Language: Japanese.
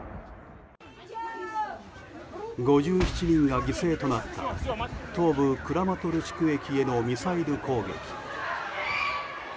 ５７人が犠牲となった東部クラマトルシク駅へのミサイル攻撃。